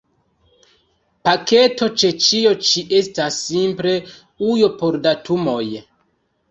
Paketo ĉe ĉio ĉi estas simple ujo por datumoj.